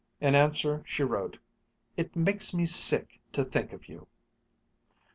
In answer she wrote, "It makes me sick to think of you!"